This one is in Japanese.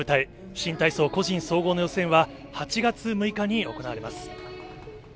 新体操個人総合の予選は８月６日に行われます。